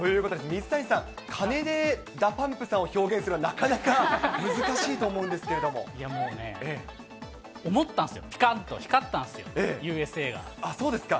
水谷さん、鐘でＤＡＰＵＭＰさんを表現するのはなかなか難しいと思うんでいやもうね、思ったんですよ、ぴかんと光ったんですよ、ああ、そうですか。